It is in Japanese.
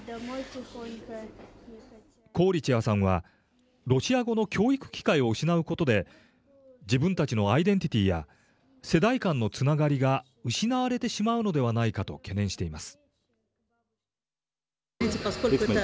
コーリチェワさんはロシア語の教育機会を失うことで自分たちのアイデンティティーや世代間のつながりが失われてしまうのではないかと懸念しています。